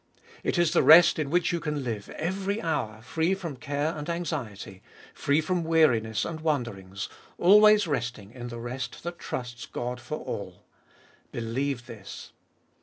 It is the rest in which you can live every hour, free from care and anxiety, free from weariness and wanderings, always resting in the rest that trusts God for all. Believe this.